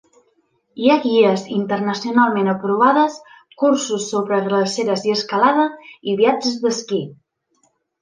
Hi ha guies internacionalment aprovades, cursos sobre glaceres i escalada, i viatges d'esquí.